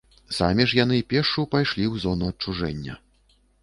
Самі ж яны пешшу пайшлі ў зону адчужэння.